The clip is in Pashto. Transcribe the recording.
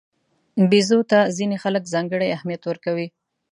بیزو ته ځینې خلک ځانګړی اهمیت ورکوي.